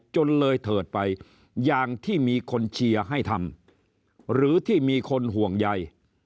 จนเลยเถิดไปอย่างที่มีคนเชียร์ให้ทำหรือที่มีคนห่วงใย